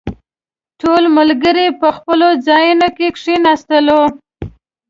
ټول ملګري په خپلو ځايونو کې کښېناستلو.